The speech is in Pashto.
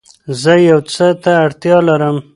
زه يو څه ته اړتيا لرم